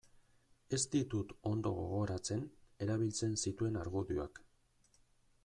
Ez ditut ondo gogoratzen erabiltzen zituen argudioak.